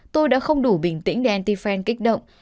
tôi đã không đủ bình tĩnh để anti fan kích động